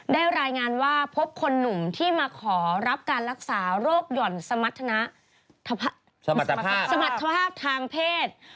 รายงานว่าพบคนหนุ่มที่มาขอรับการรักษาโรคหย่อนสมรรถภาพทางเพศ